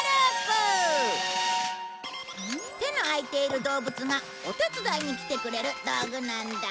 手の空いている動物がお手伝いに来てくれる道具なんだ。